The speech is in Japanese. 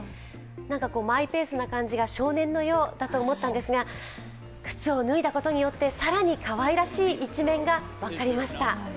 なんかマイペースな様子が少年のようだと思ったんですが靴を脱いだことによって更にかわいらしい一面が分かりました。